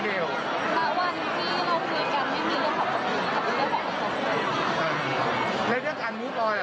แล้วก็คือว่าทุกอย่างมันมีความฝันกัน